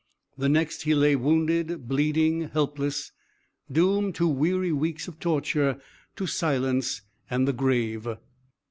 The next he lay wounded, bleeding, helpless, doomed to weary weeks of torture, to silence, and the grave.